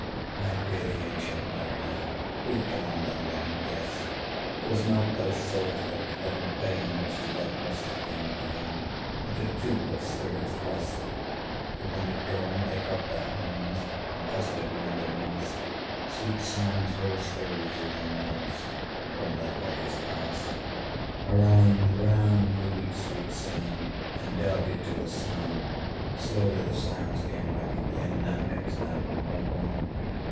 "I fear thee, ancient Mariner!" Be calm, thou Wedding Guest! 'Twas not those souls that fled in pain, Which to their corses came again, But a troop of spirits blest: For when it dawned they dropped their arms, And clustered round the mast; Sweet sounds rose slowly through their mouths, And from their bodies passed. Around, around, flew each sweet sound, Then darted to the Sun; Slowly the sounds came back again, Now mixed, now one by one.